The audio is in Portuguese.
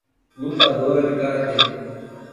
Lutadora de karatê